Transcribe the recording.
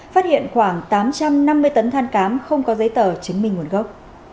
phát hiện khoảng tám trăm năm mươi tấn than cám không có giấy tờ chứng minh nguồn gốc